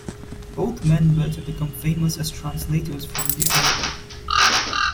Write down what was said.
Both men were to become famous as translators from the Arabic.